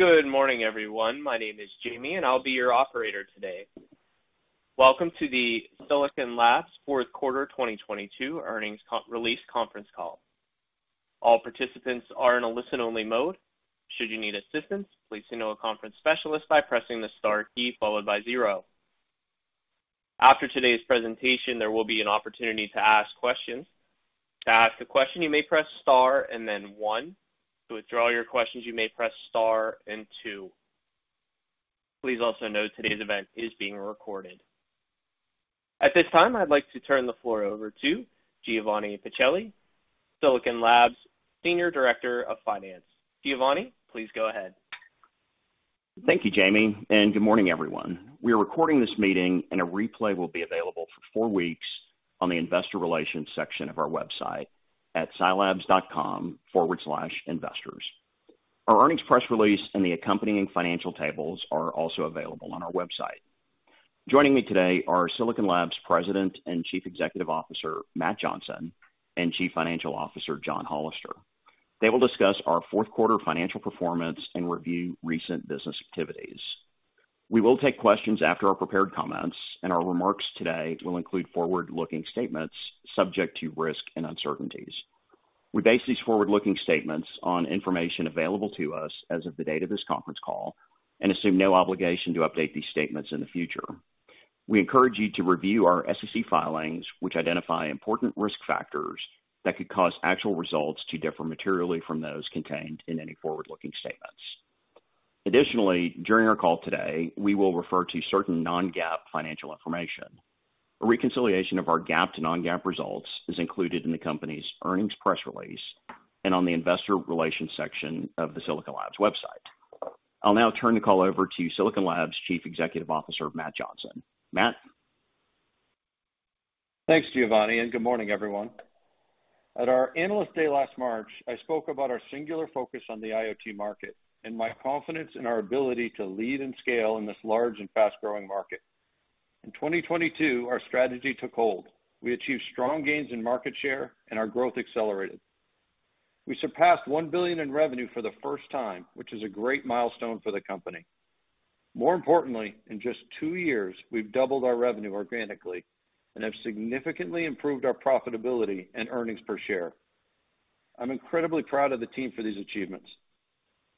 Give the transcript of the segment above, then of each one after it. Good morning, everyone. My name is Jamie, and I'll be your operator today. Welcome to the Silicon Labs Fourth Quarter 2022 Earnings Release Conference Call. All participants are in a listen-only mode. Should you need assistance, please signal a conference specialist by pressing the star key followed by zero. After today's presentation, there will be an opportunity to ask questions. To ask a question, you may press star and then one. To withdraw your questions, you may press star and two. Please also note today's event is being recorded. At this time, I'd like to turn the floor over to Giovanni Pacelli, Silicon Labs Senior Director of Finance. Giovanni, please go ahead. Thank you, Jamie. Good morning, everyone. We are recording this meeting and a replay will be available for four weeks on the investor relations section of our website at silabs.com/investors. Our earnings press release and the accompanying financial tables are also available on our website. Joining me today are Silicon Labs President and Chief Executive Officer, Matt Johnson, and Chief Financial Officer, John Hollister. They will discuss our fourth quarter financial performance and review recent business activities. We will take questions after our prepared comments. Our remarks today will include forward-looking statements subject to risk and uncertainties. We base these forward-looking statements on information available to us as of the date of this conference call and assume no obligation to update these statements in the future. We encourage you to review our SEC filings, which identify important risk factors that could cause actual results to differ materially from those contained in any forward-looking statements. Additionally, during our call today, we will refer to certain non-GAAP financial information. A reconciliation of our GAAP to non-GAAP results is included in the company's earnings press release and on the investor relations section of the Silicon Labs website. I'll now turn the call over to Silicon Labs Chief Executive Officer, Matt Johnson. Matt? Thanks, Giovanni. Good morning, everyone. At our Analyst Day last March, I spoke about our singular focus on the IoT market and my confidence in our ability to lead and scale in this large and fast-growing market. In 2022, our strategy took hold. We achieved strong gains in market share and our growth accelerated. We surpassed $1 billion in revenue for the first time, which is a great milestone for the company. More importantly, in just two years, we've doubled our revenue organically and have significantly improved our profitability and earnings per share. I'm incredibly proud of the team for these achievements.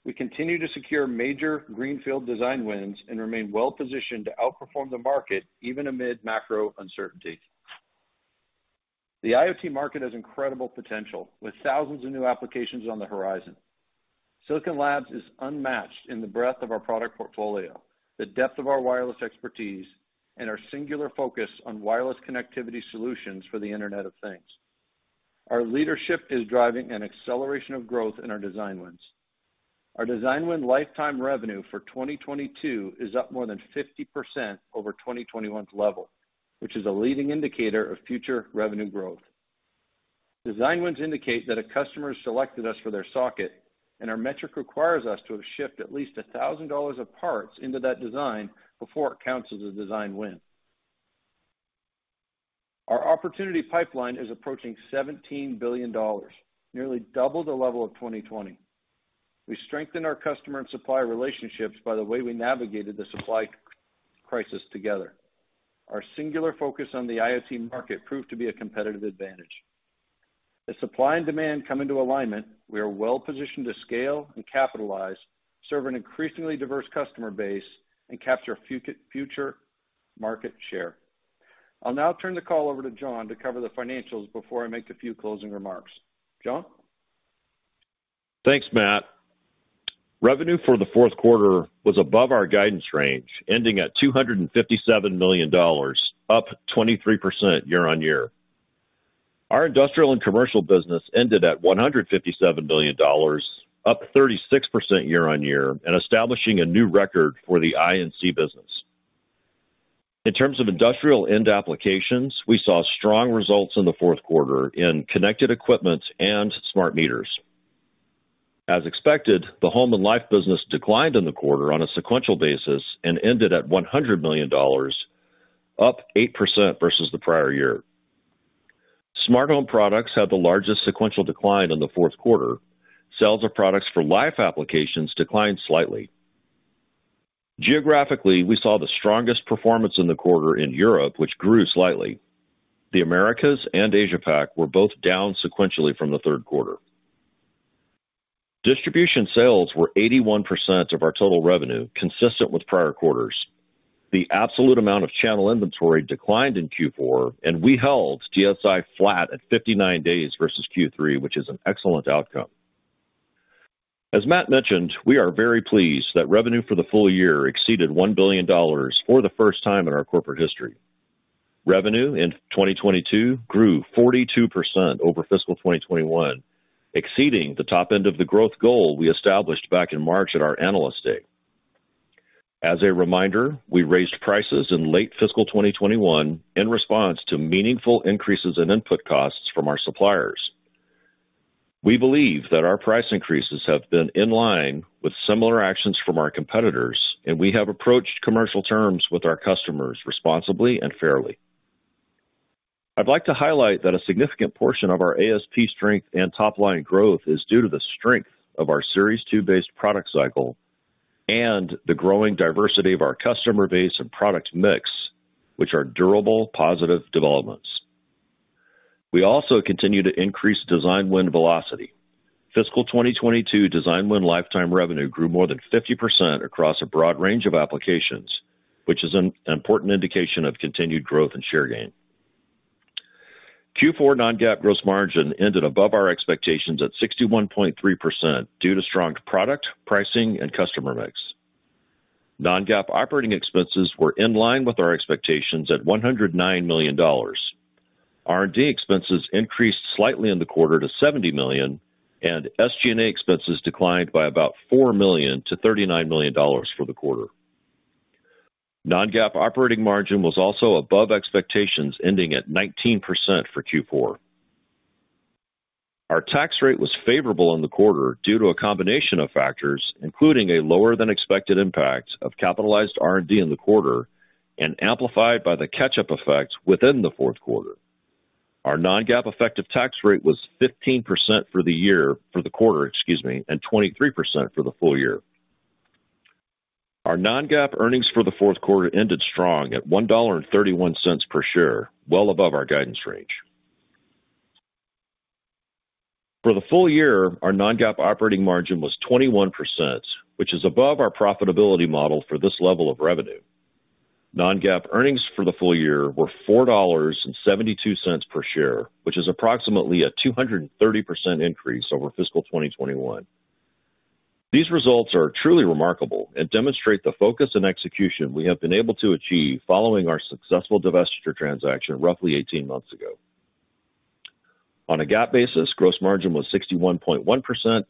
We continue to secure major greenfield design wins and remain well-positioned to outperform the market, even amid macro uncertainties. The IoT market has incredible potential, with thousands of new applications on the horizon. Silicon Labs is unmatched in the breadth of our product portfolio, the depth of our wireless expertise, and our singular focus on wireless connectivity solutions for the Internet of Things. Our leadership is driving an acceleration of growth in our design wins. Our design win lifetime revenue for 2022 is up more than 50% over 2021's level, which is a leading indicator of future revenue growth. Design wins indicate that a customer has selected us for their socket, and our metric requires us to have shipped at least $1,000 of parts into that design before it counts as a design win. Our opportunity pipeline is approaching $17 billion, nearly double the level of 2020. We strengthened our customer and supplier relationships by the way we navigated the supply crisis together. Our singular focus on the IoT market proved to be a competitive advantage. As supply and demand come into alignment, we are well-positioned to scale and capitalize, serve an increasingly diverse customer base, and capture future market share. I'll now turn the call over to John to cover the financials before I make a few closing remarks. John? Thanks, Matt. Revenue for the fourth quarter was above our guidance range, ending at $257 million, up 23% year-on-year. Our industrial and commercial business ended at $157 million, up 36% year-on-year and establishing a new record for the I&C business. In terms of industrial end applications, we saw strong results in the fourth quarter in connected equipment and smart meters. As expected, the home and life business declined in the quarter on a sequential basis and ended at $100 million, up 8% versus the prior year. Smart home products had the largest sequential decline in the fourth quarter. Sales of products for life applications declined slightly. Geographically, we saw the strongest performance in the quarter in Europe, which grew slightly. The Americas and Asia Pac were both down sequentially from the third quarter. Distribution sales were 81% of our total revenue, consistent with prior quarters. The absolute amount of channel inventory declined in Q4, and we held GSI flat at 59 days versus Q3, which is an excellent outcome. As Matt mentioned, we are very pleased that revenue for the full year exceeded $1 billion for the first time in our corporate history. Revenue in 2022 grew 42% over fiscal 2021, exceeding the top end of the growth goal we established back in March at our Analyst Day. As a reminder, we raised prices in late fiscal 2021 in response to meaningful increases in input costs from our suppliers. We believe that our price increases have been in line with similar actions from our competitors, and we have approached commercial terms with our customers responsibly and fairly. I'd like to highlight that a significant portion of our ASP strength and top-line growth is due to the strength of our Series 2 based product cycle and the growing diversity of our customer base and product mix, which are durable, positive developments. We also continue to increase design win velocity. Fiscal 2022 design win lifetime revenue grew more than 50% across a broad range of applications, which is an important indication of continued growth and share gain. Q4 non-GAAP gross margin ended above our expectations at 61.3% due to strong product pricing and customer mix. Non-GAAP operating expenses were in line with our expectations at $109 million. R&D expenses increased slightly in the quarter to $70 million. SG&A expenses declined by about $4 million to $39 million for the quarter. Non-GAAP operating margin was also above expectations, ending at 19% for Q4. Our tax rate was favorable in the quarter due to a combination of factors, including a lower than expected impact of capitalized R&D in the quarter and amplified by the catch-up effect within the fourth quarter. Our non-GAAP effective tax rate was 15% for the quarter, excuse me, and 23% for the full year. Our non-GAAP earnings for the fourth quarter ended strong at $1.31 per share, well above our guidance range. For the full year, our non-GAAP operating margin was 21%, which is above our profitability model for this level of revenue. non-GAAP earnings for the full year were $4.72 per share, which is approximately a 230% increase over fiscal 2021. These results are truly remarkable and demonstrate the focus and execution we have been able to achieve following our successful divestiture transaction roughly 18 months ago. On a GAAP basis, gross margin was 61.1%.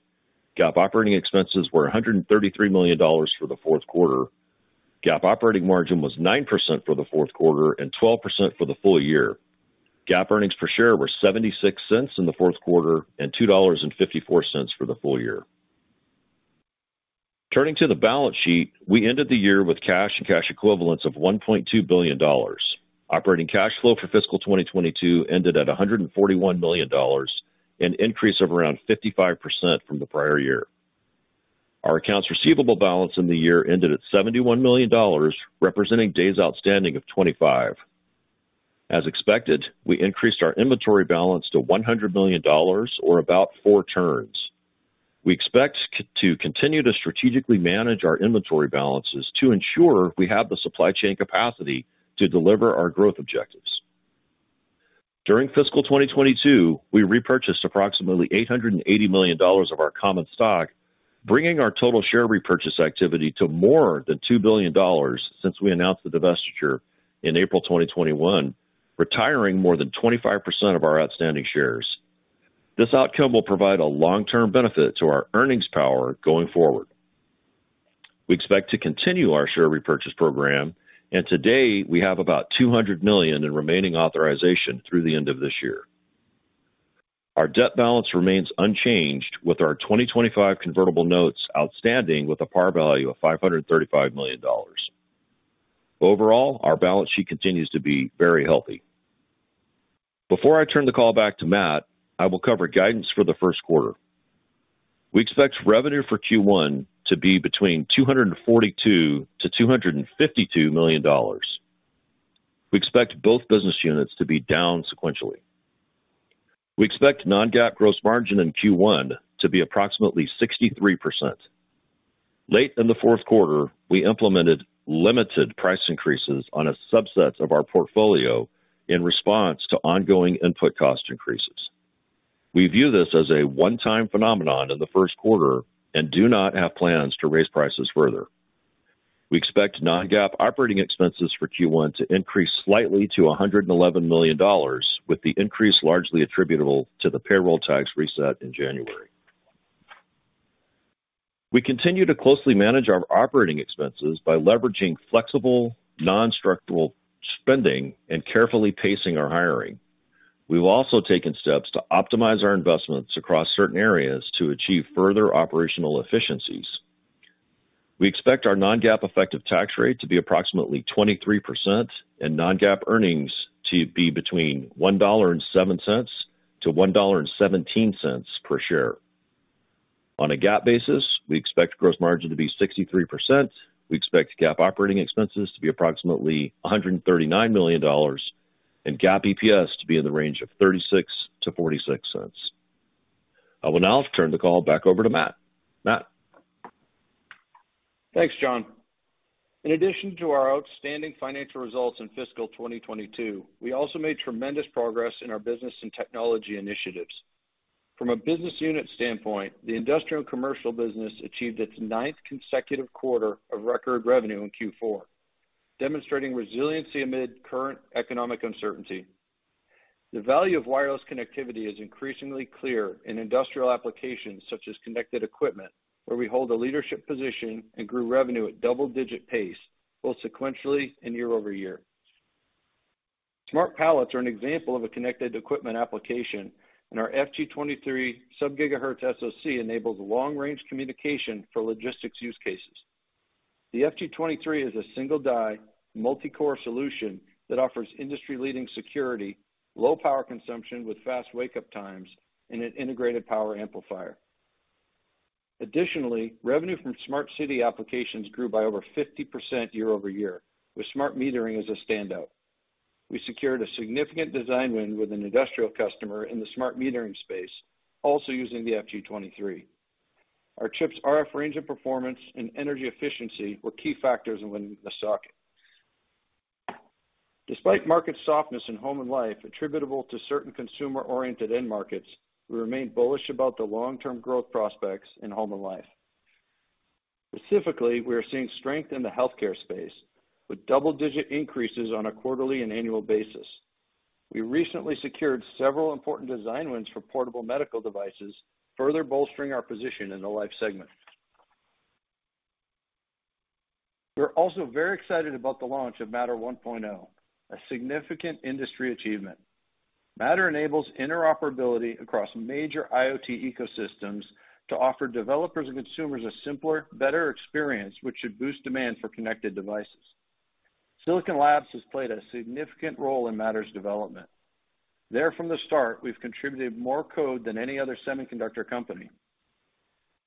GAAP operating expenses were $133 million for the fourth quarter. GAAP operating margin was 9% for the fourth quarter and 12% for the full year. GAAP earnings per share were $0.76 in the fourth quarter and $2.54 for the full year. Turning to the balance sheet, we ended the year with cash and cash equivalents of $1.2 billion. Operating cash flow for fiscal 2022 ended at $141 million, an increase of around 55% from the prior year. Our accounts receivable balance in the year ended at $71 million, representing days outstanding of 25. As expected, we increased our inventory balance to $100 million, or about four turns. We expect to continue to strategically manage our inventory balances to ensure we have the supply chain capacity to deliver our growth objectives. During fiscal 2022, we repurchased approximately $880 million of our common stock, bringing our total share repurchase activity to more than $2 billion since we announced the divestiture in April 2021, retiring more than 25% of our outstanding shares. This outcome will provide a long-term benefit to our earnings power going forward. We expect to continue our share repurchase program. To date, we have about $200 million in remaining authorization through the end of this year. Our debt balance remains unchanged, with our 2025 convertible notes outstanding with a par value of $535 million. Overall, our balance sheet continues to be very healthy. Before I turn the call back to Matt, I will cover guidance for the first quarter. We expect revenue for Q1 to be between $242 million-$252 million. We expect both business units to be down sequentially. We expect non-GAAP gross margin in Q1 to be approximately 63%. Late in the fourth quarter, we implemented limited price increases on a subset of our portfolio in response to ongoing input cost increases. We view this as a one-time phenomenon in the first quarter and do not have plans to raise prices further. We expect non-GAAP operating expenses for Q1 to increase slightly to $111 million, with the increase largely attributable to the payroll tax reset in January. We continue to closely manage our operating expenses by leveraging flexible non-structural spending and carefully pacing our hiring. We've also taken steps to optimize our investments across certain areas to achieve further operational efficiencies. We expect our non-GAAP effective tax rate to be approximately 23% and non-GAAP earnings to be between $1.07-$1.17 per share. On a GAAP basis, we expect gross margin to be 63%. We expect GAAP operating expenses to be approximately $139 million and GAAP EPS to be in the range of $0.36-$0.46. I will now turn the call back over to Matt. Matt? Thanks, John. In addition to our outstanding financial results in fiscal 2022, we also made tremendous progress in our business and technology initiatives. From a business unit standpoint, the industrial and commercial business achieved its ninth consecutive quarter of record revenue in Q4, demonstrating resiliency amid current economic uncertainty. The value of wireless connectivity is increasingly clear in industrial applications such as connected equipment, where we hold a leadership position and grew revenue at double-digit pace, both sequentially and year-over-year. Smart pallets are an example of a connected equipment application, and our FG23 sub-gigahertz SoC enables long-range communication for logistics use cases. The FG23 is a single die, multi-core solution that offers industry leading security, low power consumption with fast wake-up times, and an integrated power amplifier. Additionally, revenue from smart city applications grew by over 50% year-over-year, with smart metering as a standout. We secured a significant design win with an industrial customer in the smart metering space, also using the FG23. Our chips RF range of performance and energy efficiency were key factors in winning the socket. Despite market softness in home and life attributable to certain consumer-oriented end markets, we remain bullish about the long-term growth prospects in home and life. Specifically, we are seeing strength in the healthcare space with double-digit increases on a quarterly and annual basis. We recently secured several important design wins for portable medical devices, further bolstering our position in the life segment. We're also very excited about the launch of Matter 1.0, a significant industry achievement. Matter enables interoperability across major IoT ecosystems to offer developers and consumers a simpler, better experience, which should boost demand for connected devices. Silicon Labs has played a significant role in Matter's development. There from the start, we've contributed more code than any other semiconductor company.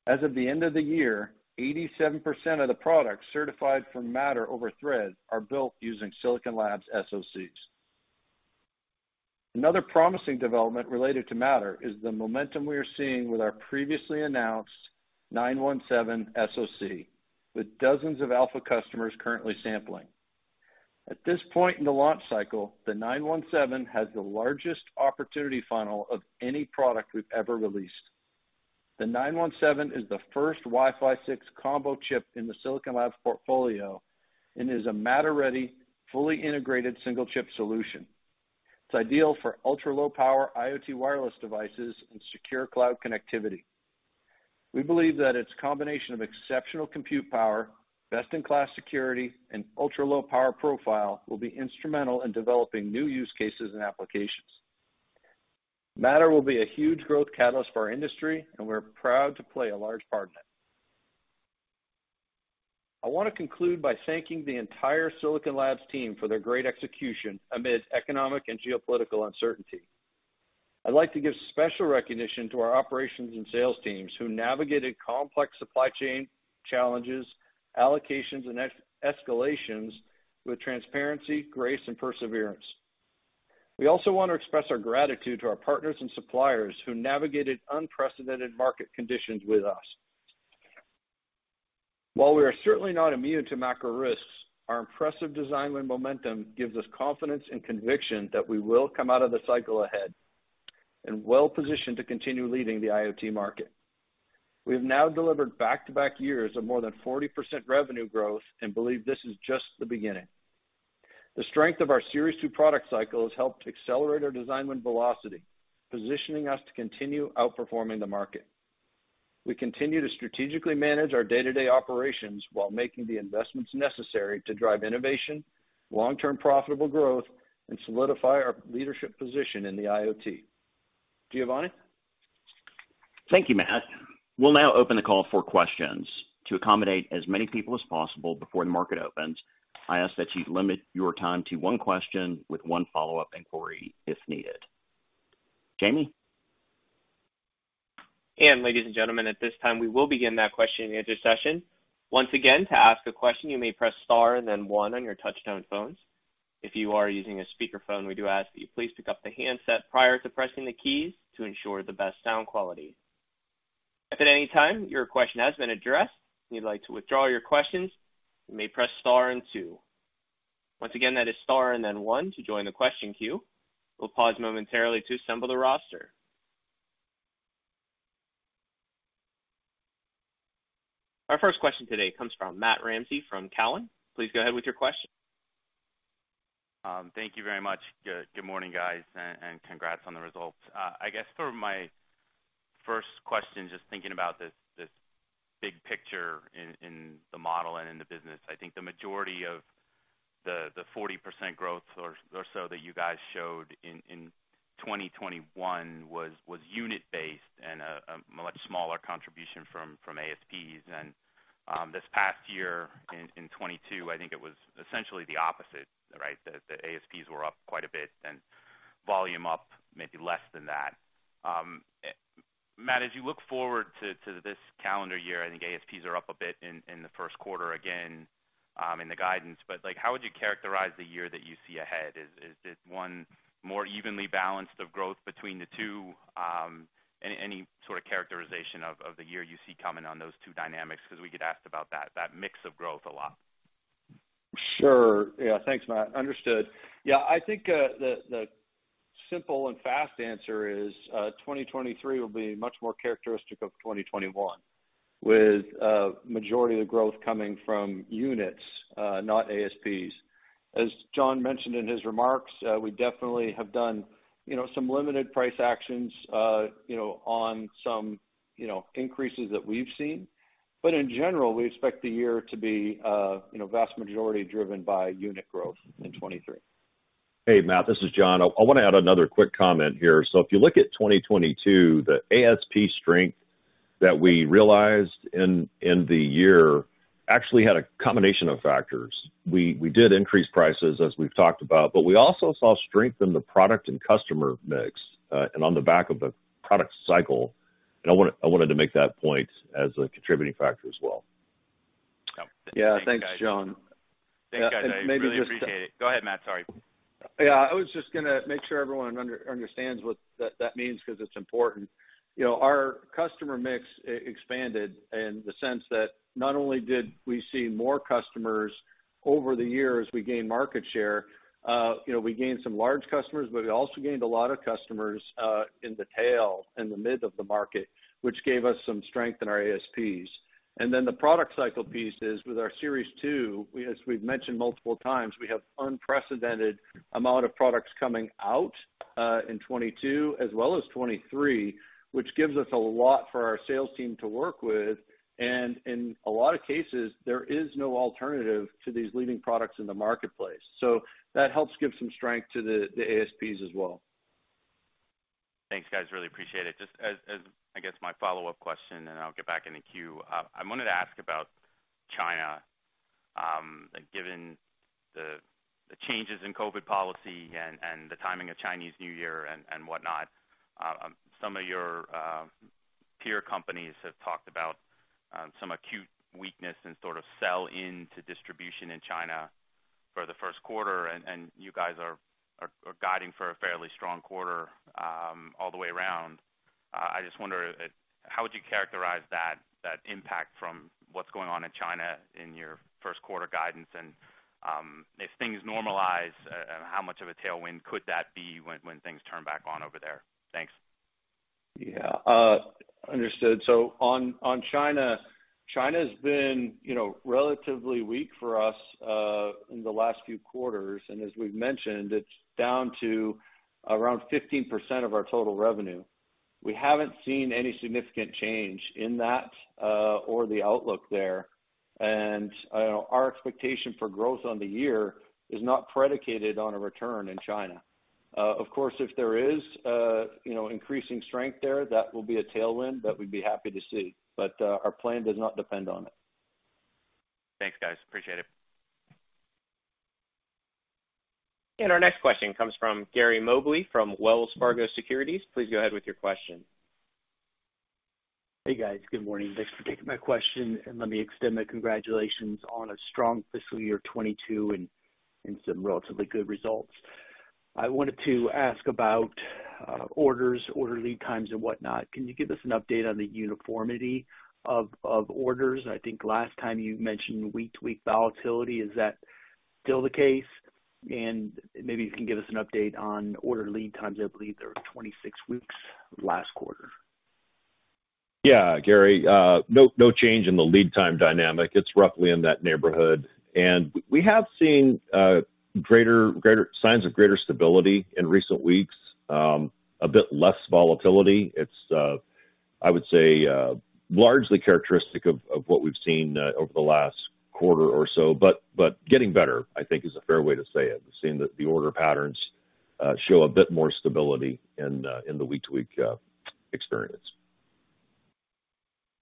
As of the end of the year, 87% of the products certified for Matter over Thread are built using Silicon Labs SoCs. Another promising development related to Matter is the momentum we are seeing with our previously announced 917 SoC, with dozens of alpha customers currently sampling. At this point in the launch cycle, the 917 has the largest opportunity funnel of any product we've ever released. The 917 is the first Wi-Fi 6 combo chip in the Silicon Labs portfolio and is a Matter ready, fully integrated single chip solution. It's ideal for ultra-low power IoT wireless devices and secure cloud connectivity. We believe that its combination of exceptional compute power, best in class security, and ultra-low power profile will be instrumental in developing new use cases and applications. Matter will be a huge growth catalyst for our industry, and we're proud to play a large part in it. I wanna conclude by thanking the entire Silicon Labs team for their great execution amid economic and geopolitical uncertainty. I'd like to give special recognition to our operations and sales teams who navigated complex supply chain challenges, allocations, and escalations with transparency, grace, and perseverance. We also want to express our gratitude to our partners and suppliers who navigated unprecedented market conditions with us. While we are certainly not immune to macro risks, our impressive design win momentum gives us confidence and conviction that we will come out of the cycle ahead and well-positioned to continue leading the IoT market. We have now delivered back-to-back years of more than 40% revenue growth and believe this is just the beginning. The strength of our Series 2 product cycle has helped accelerate our design win velocity, positioning us to continue outperforming the market. We continue to strategically manage our day-to-day operations while making the investments necessary to drive innovation, long-term profitable growth, and solidify our leadership position in the IoT. Giovanni? Thank you, Matt. We'll now open the call for questions. To accommodate as many people as possible before the market opens, I ask that you limit your time to one question with one follow-up inquiry if needed. Jamie? Ladies and gentlemen, at this time we will begin that question and answer session. Once again, to ask a question, you may press star and then one on your touchtone phones. If you are using a speakerphone, we do ask that you please pick up the handset prior to pressing the keys to ensure the best sound quality. If at any time your question has been addressed and you'd like to withdraw your questions, you may press star and two. Once again, that is star and then one to join the question queue. We'll pause momentarily to assemble the roster. Our first question today comes from Matt Ramsay from Cowen. Please go ahead with your question. Thank you very much. Good morning, guys, and congrats on the results. I guess sort of my first question, just thinking about this big picture in the model and in the business. I think the majority of the 40% growth or so that you guys showed in 2021 was unit based and a much smaller contribution from ASPs. This past year in 2022, I think it was essentially the opposite, right? The ASPs were up quite a bit and volume up maybe less than that. Matt, as you look forward to this calendar year, I think ASPs are up a bit in the first quarter again, in the guidance. Like, how would you characterize the year that you see ahead? Is it one more evenly balanced of growth between the two? Any sort of characterization of the year you see coming on those two dynamics? 'Cause we get asked about that mix of growth a lot. Sure. Yeah. Thanks, Matt. Understood. Yeah, I think, the simple and fast answer is, 2023 will be much more characteristic of 2021, with majority of the growth coming from units, not ASPs. As John mentioned in his remarks, we definitely have done, you know, some limited price actions, you know, on some, you know, increases that we've seen. In general, we expect the year to be, you know, vast majority driven by unit growth in 2023. Hey, Matt, this is John. I wanna add another quick comment here. If you look at 2022, the ASP strength that we realized in the year actually had a combination of factors. We did increase prices as we've talked about, but we also saw strength in the product and customer mix and on the back of the product cycle. I wanted to make that point as a contributing factor as well. Yeah. Thanks, John. Thanks, guys. I really appreciate it. And maybe just- Go ahead, Matt. Sorry. Yeah. I was just gonna make sure everyone understands what that means 'cause it's important. You know, our customer mix expanded in the sense that not only did we see more customers over the year as we gained market share, you know, we gained some large customers, but we also gained a lot of customers in the tail, in the mid of the market, which gave us some strength in our ASPs. The product cycle piece is with our Series 2, as we've mentioned multiple times, we have unprecedented amount of products coming out in 2022 as well as 2023, which gives us a lot for our sales team to work with. In a lot of cases, there is no alternative to these leading products in the marketplace. That helps give some strength to the ASPs as well. Thanks, guys. Really appreciate it. Just as I guess my follow-up question, and I'll get back in the queue. I wanted to ask about China, given the changes in COVID policy and the timing of Chinese New Year and whatnot. Some of your peer companies have talked about some acute weakness and sort of sell into distribution in China for the first quarter, and you guys are guiding for a fairly strong quarter all the way around. I just wonder, how would you characterize that impact from what's going on in China in your first quarter guidance? If things normalize, how much of a tailwind could that be when things turn back on over there? Thanks. Understood. On China's been, you know, relatively weak for us in the last few quarters, and as we've mentioned, it's down to around 15% of our total revenue. We haven't seen any significant change in that or the outlook there. Our expectation for growth on the year is not predicated on a return in China. Of course, if there is, you know, increasing strength there, that will be a tailwind that we'd be happy to see, but our plan does not depend on it. Thanks, guys. Appreciate it. Our next question comes from Gary Mobley from Wells Fargo Securities. Please go ahead with your question. Hey, guys. Good morning. Thanks for taking my question. Let me extend my congratulations on a strong fiscal year 2022 and some relatively good results. I wanted to ask about orders, order lead times and whatnot. Can you give us an update on the uniformity of orders? I think last time you mentioned week-to-week volatility. Is that still the case? Maybe you can give us an update on order lead times. I believe they were 26 weeks last quarter. Yeah. Gary, no change in the lead time dynamic. It's roughly in that neighborhood. We have seen greater signs of greater stability in recent weeks, a bit less volatility. It's, I would say, largely characteristic of what we've seen over the last quarter or so, but getting better, I think is a fair way to say it. We've seen that the order patterns show a bit more stability in the week-to-week experience.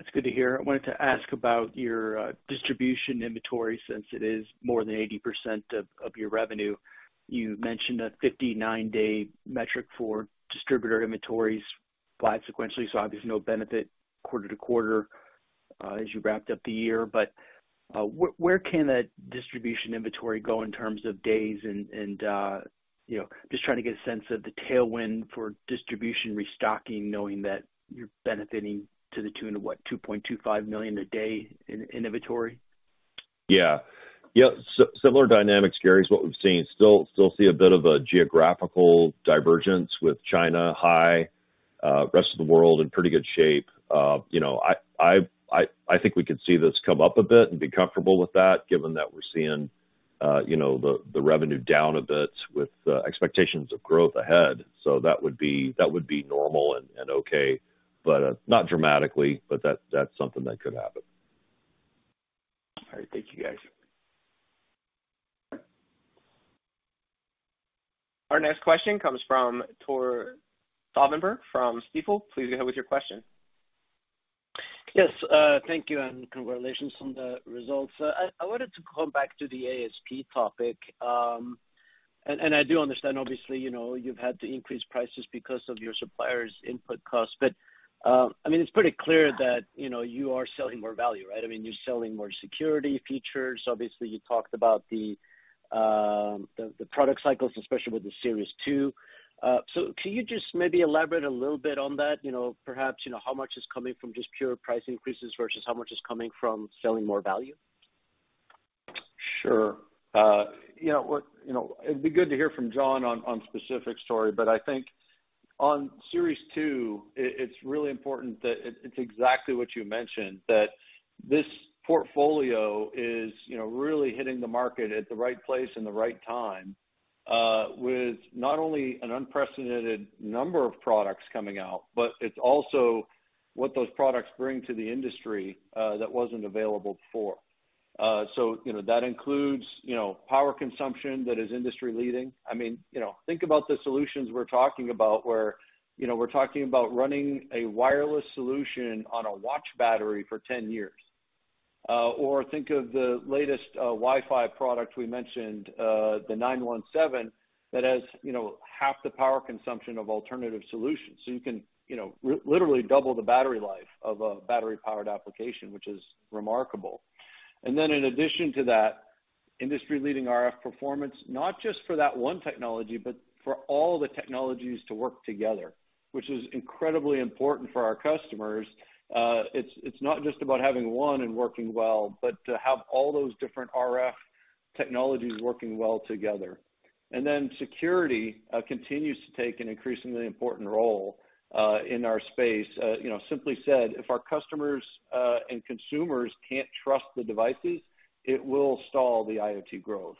That's good to hear. I wanted to ask about your distribution inventory since it is more than 80% of your revenue. You mentioned a 59-day metric for distributor inventories flat sequentially, so obviously no benefit quarter-over-quarter as you wrapped up the year. Where can that distribution inventory go in terms of days and, you know, just trying to get a sense of the tailwind for distribution restocking, knowing that you're benefiting to the tune of, what, $2.25 million a day in inventory? Yeah. Yeah. Similar dynamics, Gary, is what we've seen. Still see a bit of a geographical divergence with China high, rest of the world in pretty good shape. You know, I think we could see this come up a bit and be comfortable with that given that we're seeing, you know, the revenue down a bit with expectations of growth ahead. That would be normal and okay, but not dramatically, but that's something that could happen. All right. Thank you, guys. Our next question comes from Tore Svanberg from Stifel. Please go ahead with your question. Yes. Thank you, congratulations on the results. I wanted to come back to the ASP topic. I do understand, obviously, you know, you've had to increase prices because of your suppliers' input costs. I mean, it's pretty clear that, you know, you are selling more value, right? I mean, you're selling more security features. Obviously, you talked about the product cycles, especially with the Series 2. Can you just maybe elaborate a little bit on that? You know, perhaps, you know, how much is coming from just pure price increases versus how much is coming from selling more value? Sure. you know what, you know, it'd be good to hear from John on specific story, but I think on Series 2, it's really important that it's exactly what you mentioned, that this portfolio is, you know, really hitting the market at the right place and the right time, with not only an unprecedented number of products coming out, but it's also what those products bring to the industry, that wasn't available before. You know, that includes, you know, power consumption that is industry-leading. I mean, you know, think about the solutions we're talking about where, you know, we're talking about running a wireless solution on a watch battery for 10 years. Think of the latest, Wi-Fi product we mentioned, the 917, that has, you know, half the power consumption of alternative solutions. You can, you know, literally double the battery life of a battery-powered application, which is remarkable. In addition to that industry-leading RF performance, not just for that one technology, but for all the technologies to work together, which is incredibly important for our customers. It's not just about having one and working well, but to have all those different RF technologies working well together. Security continues to take an increasingly important role in our space. You know, simply said, if our customers and consumers can't trust the devices, it will stall the IoT growth.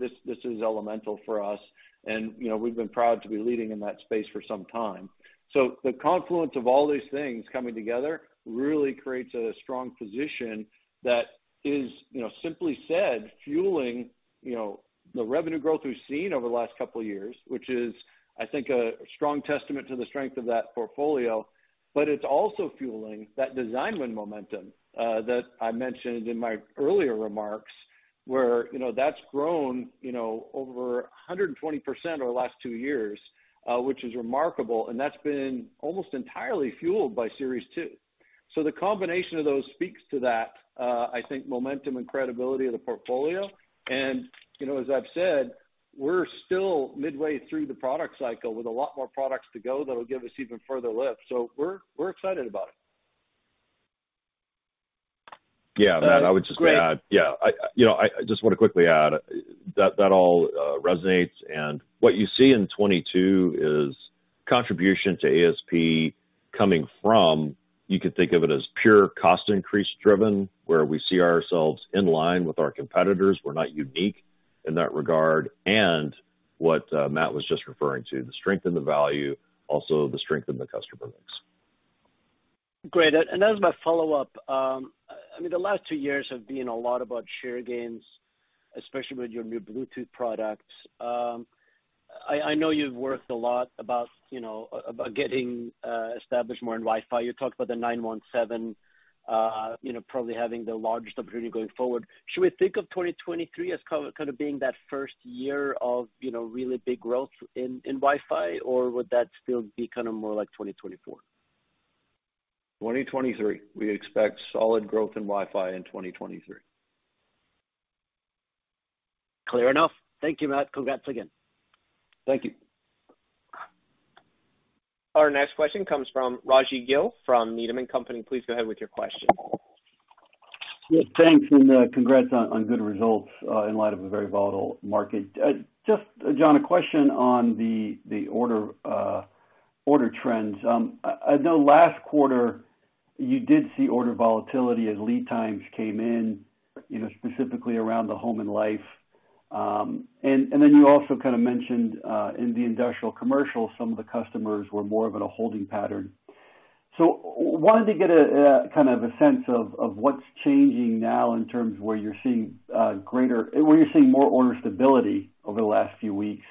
This is elemental for us and, you know, we've been proud to be leading in that space for some time. The confluence of all these things coming together really creates a strong position that is, you know, simply said, fueling, you know, the revenue growth we've seen over the last couple of years, which is, I think, a strong testament to the strength of that portfolio. It's also fueling that design win momentum that I mentioned in my earlier remarks, where, you know, that's grown, you know, over 120% over the last two years, which is remarkable. That's been almost entirely fueled by Series 2. The combination of those speaks to that, I think momentum and credibility of the portfolio. You know, as I've said, we're still midway through the product cycle with a lot more products to go that'll give us even further lift. We're, we're excited about it. Yeah. Matt, I would just add- Great. I, you know, I just wanna quickly add that all resonates. What you see in 2022 is contribution to ASP coming from, you could think of it as pure cost increase driven, where we see ourselves in line with our competitors. We're not unique in that regard. What Matt was just referring to, the strength in the value, also the strength in the customer mix. Great. As my follow-up, I mean, the last two years have been a lot about share gains, especially with your new Bluetooth products. I know you've worked a lot about, you know, about getting established more in Wi-Fi. You talked about the 917, you know, probably having the largest opportunity going forward. Should we think of 2023 as kind of being that first year of, you know, really big growth in Wi-Fi? Would that still be kind of more like 2024? 2023. We expect solid growth in Wi-Fi in 2023. Clear enough. Thank you, Matt. Congrats again. Thank you. Our next question comes from Raji Gill from Needham & Company. Please go ahead with your question. Thanks and congrats on good results in light of a very volatile market. Just, John, a question on the order trends. I know last quarter you did see order volatility as lead times came in, you know, specifically around the Home and Life. And then you also kinda mentioned in the Industrial Commercial, some of the customers were more of in a holding pattern. Wanted to get a kind of a sense of what's changing now in terms of where you're seeing more order stability over the last few weeks.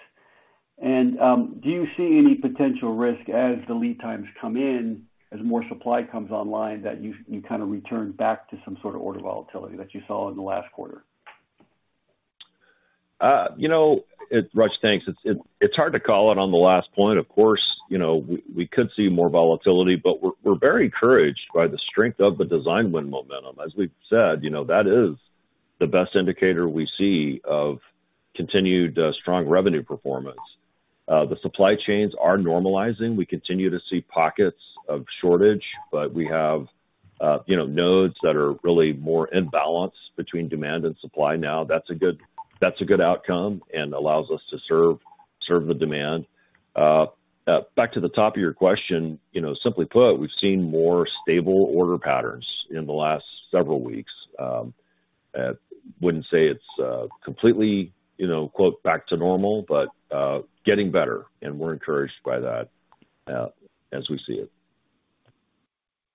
Do you see any potential risk as the lead times come in, as more supply comes online, that you kinda return back to some sort of order volatility that you saw in the last quarter? You know, Raj, thanks. It's hard to call it on the last point. Of course, you know, we could see more volatility, but we're very encouraged by the strength of the design win momentum. As we've said, you know, that is the best indicator we see of continued strong revenue performance. The supply chains are normalizing. We continue to see pockets of shortage, but we have, you know, nodes that are really more in balance between demand and supply now. That's a good outcome and allows us to serve the demand. Back to the top of your question, you know, simply put, we've seen more stable order patterns in the last several weeks. Wouldn't say it's completely, you know, quote, "back to normal," but getting better, and we're encouraged by that as we see it.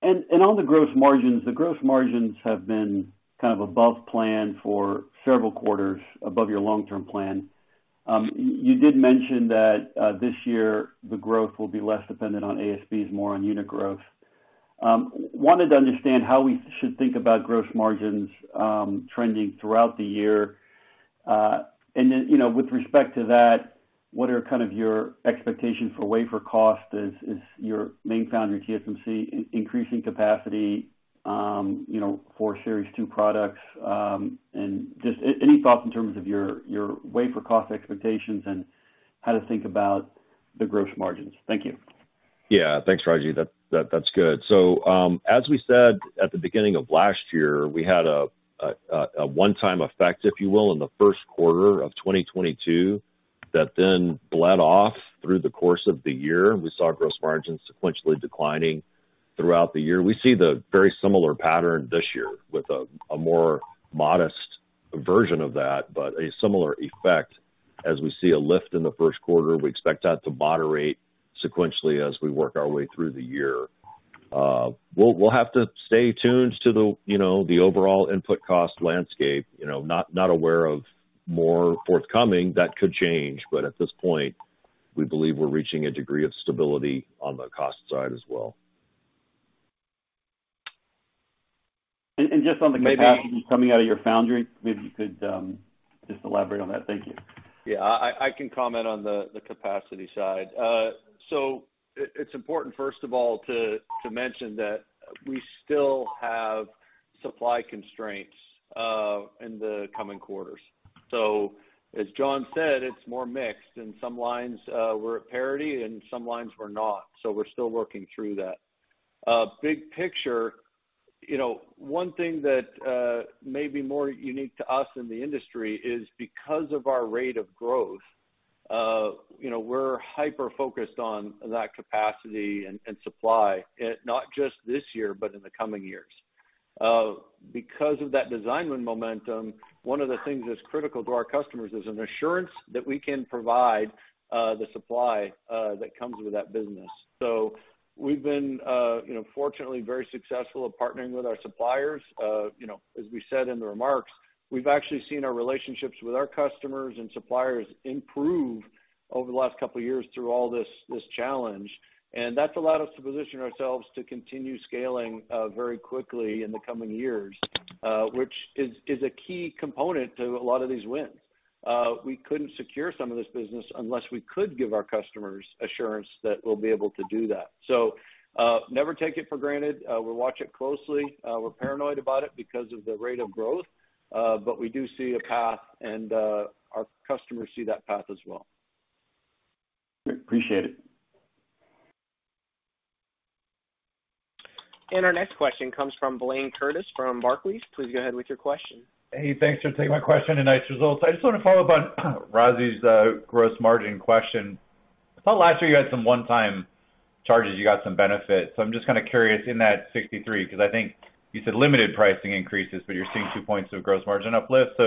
On the gross margins, the gross margins have been kind of above plan for several quarters, above your long-term plan. You did mention that this year, the growth will be less dependent on ASPs, more on unit growth. Wanted to understand how we should think about gross margins trending throughout the year. Then, you know, with respect to that, what are kind of your expectations for wafer cost as your main foundry, TSMC, increasing capacity, you know, for Series 2 products? Just any thoughts in terms of your wafer cost expectations and how to think about the gross margins. Thank you. Yeah. Thanks, Raji. That's good. As we said at the beginning of last year, we had a one-time effect, if you will, in the first quarter of 2022, that then bled off through the course of the year. We saw gross margins sequentially declining throughout the year. We see the very similar pattern this year with a more modest version of that, but a similar effect as we see a lift in the first quarter. We expect that to moderate sequentially as we work our way through the year. We'll have to stay tuned to the, you know, the overall input cost landscape, you know. Not aware of more forthcoming that could change, but at this point, we believe we're reaching a degree of stability on the cost side as well. Just on the capacity coming out of your foundry, maybe you could just elaborate on that. Thank you. Yeah. I can comment on the capacity side. It's important, first of all, to mention that we still have supply constraints in the coming quarters. As John said, it's more mixed, and some lines were at parity and some lines were not. We're still working through that. Big picture, you know, one thing that may be more unique to us in the industry is because of our rate of growth, you know, we're hyper-focused on that capacity and supply not just this year, but in the coming years. Because of that design win momentum, one of the things that's critical to our customers is an assurance that we can provide the supply that comes with that business. We've been, you know, fortunately very successful at partnering with our suppliers. You know, as we said in the remarks, we've actually seen our relationships with our customers and suppliers improve over the last couple of years through all this challenge. That's allowed us to position ourselves to continue scaling very quickly in the coming years, which is a key component to a lot of these wins. We couldn't secure some of this business unless we could give our customers assurance that we'll be able to do that. Never take it for granted. We watch it closely. We're paranoid about it because of the rate of growth, but we do see a path, and our customers see that path as well. Appreciate it. Our next question comes from Blayne Curtis from Barclays. Please go ahead with your question. Hey, thanks for taking my question. Nice results. I just wanna follow up on Raji's gross margin question. I thought last year you had some one-time charges, you got some benefits. I'm just kinda curious in that 63% because I think you said limited pricing increases, but you're seeing 2 points of gross margin uplift.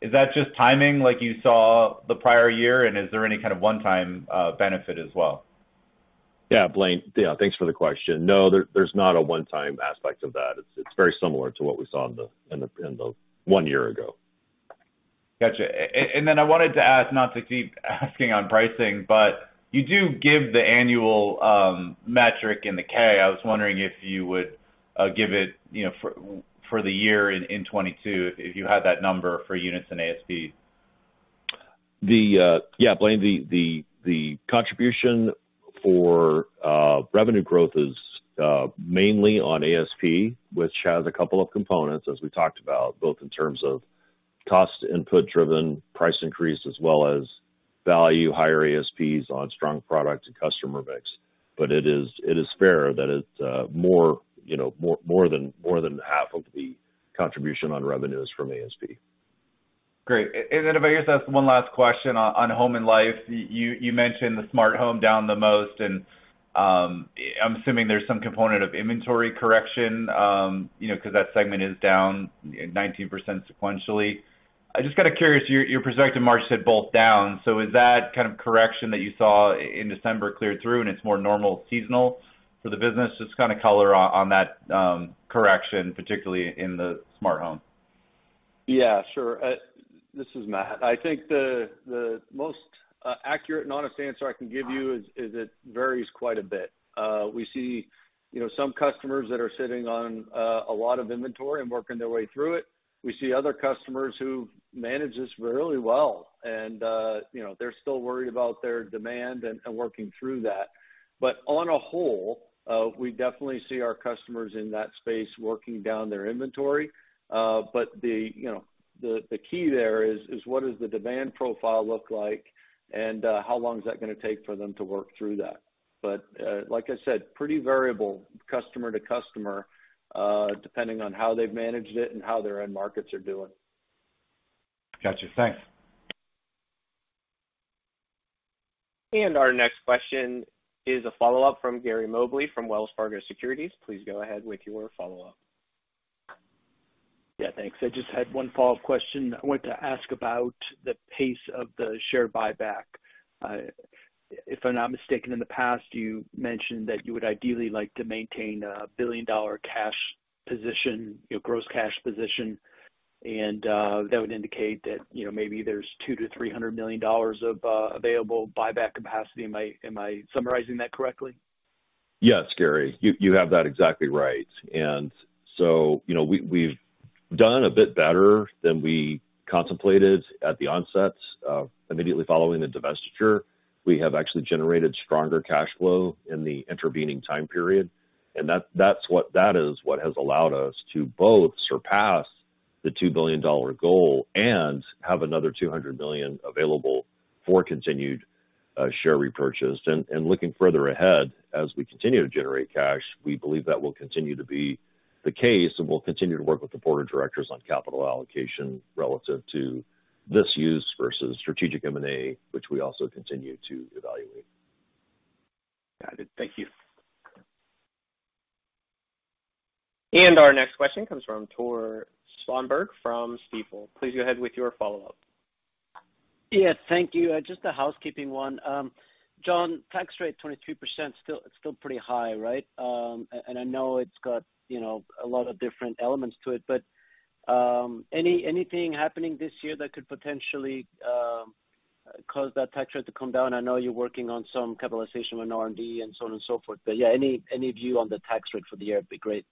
Is that just timing like you saw the prior year, and is there any kind of one-time benefit as well? Yeah, Blayne. Yeah, thanks for the question. No, there's not a one-time aspect of that. It's very similar to what we saw in the one year ago. Gotcha. Then I wanted to ask, not to keep asking on pricing, but you do give the annual metric in the carryout. I was wondering if you would give it, you know, for the year in 2022, if you had that number for units and ASP. Yeah Blayne, the contribution for revenue growth is mainly on ASP, which has a couple of components as we talked about, both in terms of cost input driven price increase as well as value higher ASPs on strong product and customer mix. It is fair that it's, you know, more than half of the contribution on revenues from ASP. Great. Then if I could just ask one last question on Home and Life. You mentioned the smart home down the most, and I'm assuming there's some component of inventory correction, you know, 'cause that segment is down 19% sequentially. I'm just kinda curious, your prospective margin said both down, so is that kind of correction that you saw in December cleared through and it's more normal seasonal for the business? Just kinda color on that correction, particularly in the smart home. Yeah, sure. This is Matt. I think the most accurate and honest answer I can give you is it varies quite a bit. We see, you know, some customers that are sitting on a lot of inventory and working their way through it. We see other customers who manage this really well and, you know, they're still worried about their demand and working through that. But on a whole, we definitely see our customers in that space working down their inventory. But the, you know, the key there is what does the demand profile look like and, how long is that gonna take for them to work through that. But, like I said, pretty variable customer to customer, depending on how they've managed it and how their end markets are doing. Gotcha. Thanks. Our next question is a follow-up from Gary Mobley from Wells Fargo Securities. Please go ahead with your follow-up. Yeah, thanks. I just had one follow-up question. I wanted to ask about the pace of the share buyback. If I'm not mistaken, in the past, you mentioned that you would ideally like to maintain a billion dollar cash position, you know, gross cash position, and that would indicate that, you know, maybe there's $200 million-$300 million of available buyback capacity. Am I summarizing that correctly? Yes, Gary, you have that exactly right. you know, we've done a bit better than we contemplated at the onset. Immediately following the divestiture, we have actually generated stronger cash flow in the intervening time period, and that is what has allowed us to both surpass the $2 billion goal and have another $200 million available for continued share repurchase. looking further ahead, as we continue to generate cash, we believe that will continue to be the case, and we'll continue to work with the board of directors on capital allocation relative to this use versus strategic M&A, which we also continue to evaluate. Got it. Thank you. Our next question comes from Tore Svanberg from Stifel. Please go ahead with your follow-up. Yeah. Thank you. Just a housekeeping one. John, tax rate 23% still, it's still pretty high, right? I know it's got, you know, a lot of different elements to it, but anything happening this year that could potentially cause that tax rate to come down? I know you're working on some capitalization on R&D and so on and so forth, but yeah, any view on the tax rate for the year would be great.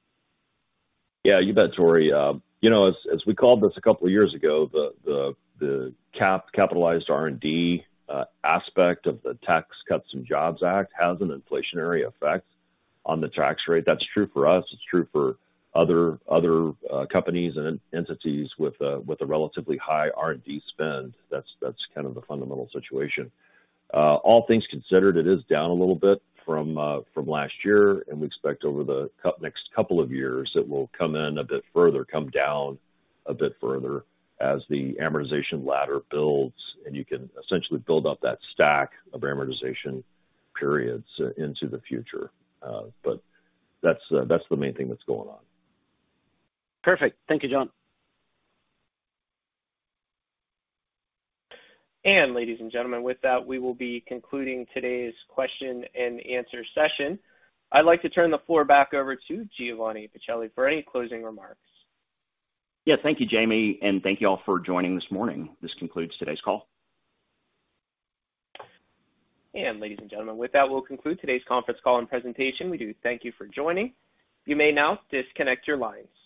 You bet, Tore You know, as we called this a couple of years ago, the capitalized R&D aspect of the Tax Cuts and Jobs Act has an inflationary effect on the tax rate. That's true for us. It's true for other companies and entities with a relatively high R&D spend. That's kind of the fundamental situation. All things considered, it is down a little bit from last year, and we expect over the next couple of years, it will come in a bit further, come down a bit further as the amortization ladder builds, and you can essentially build up that stack of amortization periods into the future. That's the main thing that's going on. Perfect. Thank you, John. Ladies and gentlemen, with that, we will be concluding today's question-and-answer session. I'd like to turn the floor back over to Giovanni Pacelli for any closing remarks. Yeah. Thank you, Jamie, and thank you all for joining this morning. This concludes today's call. Ladies and gentlemen, with that, we'll conclude today's conference call and presentation. We do thank you for joining. You may now disconnect your lines.